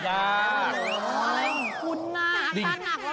อ๋อคุณน่ะอาการหนักแล้วนะน่าห่วงนะเนี่ย